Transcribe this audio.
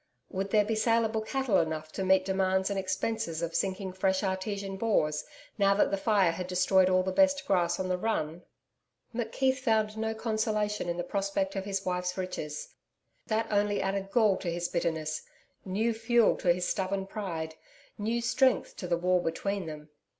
Would there be saleable cattle enough to meet demands and expenses of sinking fresh artesian bores now that the fire had destroyed all the best grass on the run? McKeith found no consolation in the prospect of his wife's riches. That only added gall to his bitterness, new fuel to his stubborn pride, new strength to the wall between them.